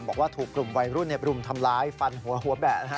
บอกว่าถูกกลุ่มวัยรุ่นรุมทำร้ายฟันหัวหัวแบะนะฮะ